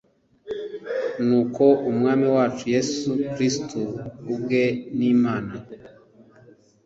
Nuko Umwami wacu Yesu Kristo ubwe n’ Imana